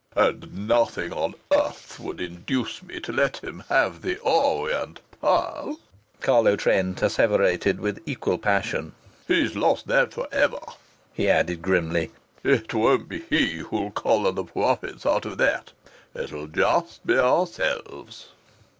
"And nothing on earth would induce me to let him have 'The Orient Pearl'!" Carlo Trent asseverated with equal passion. "He's lost that for ever!" he added grimly. "It won't be he who'll collar the profits out of that! It'll just be ourselves!"